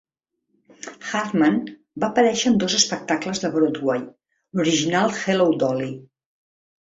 Hartmann va aparèixer en dos espectacles de Broadway: l'original "Hello, Dolly!"